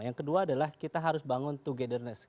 yang kedua adalah kita harus bangun togetherness